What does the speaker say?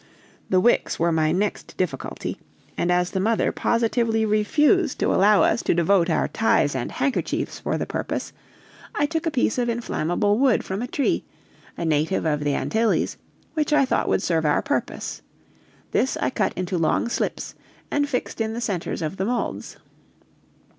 The wicks were my next difficulty, and as the mother positively refused to allow us to devote our ties and handkerchiefs for the purpose, I took a piece of inflammable wood from a tree, a native of the Antilles, which I thought would serve our purpose; this I cut into long slips, and fixed in the centers of the molds.